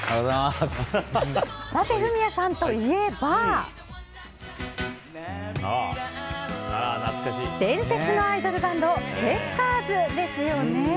さて、フミヤさんといえば伝説のアイドルバンドチェッカーズですよね。